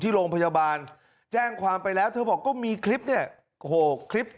โรงพยาบาลแจ้งความไปแล้วเธอบอกก็มีคลิปเนี่ยโหกคลิป